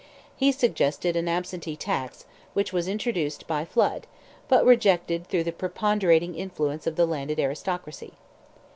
He suggested an Absentee tax, which was introduced by Flood, but rejected through the preponderating influence of the landed aristocracy.